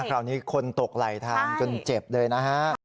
คราวนี้คนตกไหลทางจนเจ็บเลยนะฮะ